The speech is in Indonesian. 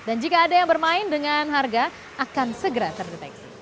dan jika ada yang bermain dengan harga akan segera terdeteksi